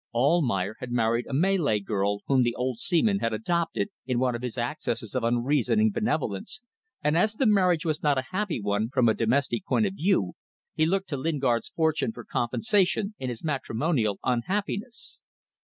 Almayer had married a Malay girl whom the old seaman had adopted in one of his accesses of unreasoning benevolence, and as the marriage was not a happy one from a domestic point of view, he looked to Lingard's fortune for compensation in his matrimonial unhappiness.